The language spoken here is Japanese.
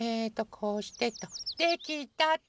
こうしてと。できたっと。